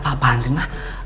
mbak apa apaan sih mba